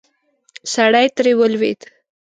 سړی ترې ولوېد.